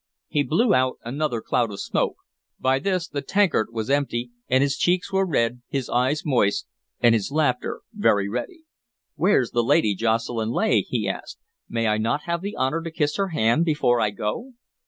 He blew out another cloud of smoke. By this the tankard was empty, and his cheeks were red, his eyes moist, and his laughter very ready. "Where's the Lady Jocelyn Leigh?" he asked. "May I not have the honor to kiss her hand before I go?"